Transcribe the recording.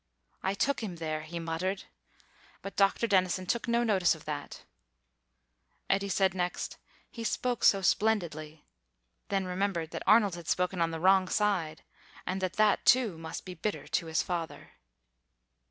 "I took him there," he muttered; but Dr. Denison took no notice of that. Eddy said next, "He spoke so splendidly," then remembered that Arnold had spoken on the wrong side, and that that, too, must be bitter to his father.